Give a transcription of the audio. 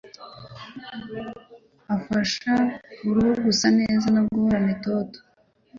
afasha uruhu gusa neza no guhorana itoto